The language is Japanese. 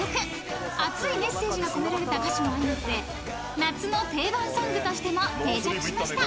［熱いメッセージが込められた歌詞も相まって夏の定番ソングとしても定着しました］